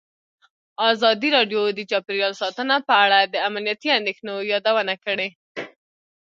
ازادي راډیو د چاپیریال ساتنه په اړه د امنیتي اندېښنو یادونه کړې.